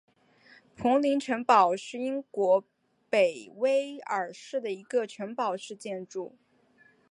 彭林城堡是英国北威尔士的一个城堡式建筑。